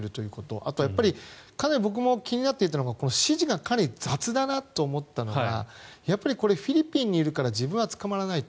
あとはやっぱりかなり僕も気になっていたのが指示がかなり雑だなと思ったのがやっぱりフィリピンにいるから自分は捕まらないと。